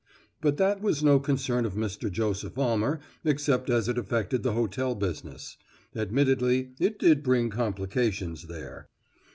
But that was no concern of Mr. Joseph Almer except as it affected the hotel business; admittedly it did bring complications there.